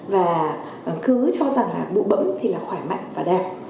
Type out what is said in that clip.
và cứ cho rằng là bụi bẫm thì là khỏe mạnh và đẹp